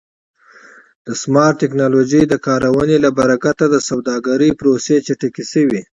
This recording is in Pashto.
د سمارټ ټکنالوژۍ د کارونې له برکت د سوداګرۍ پروسې چټکې شوې.